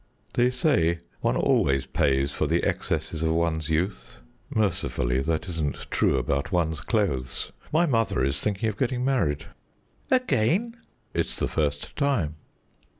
"They say one always pays for the excesses of one's youth; mercifully that isn't true about one's clothes. My mother is thinking of getting married." "Again!" "It's the first time."